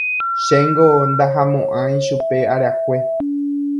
Chéngo ndahamo'ãi chupe arakue.